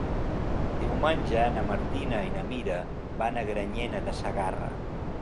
Diumenge na Martina i na Mira van a Granyena de Segarra.